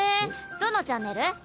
どのチャンネル？